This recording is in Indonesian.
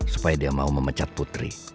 supaya dia mau memecat putri